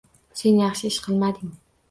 Sen yaxshi ish qilmading